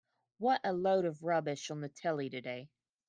What a load of rubbish on the telly today.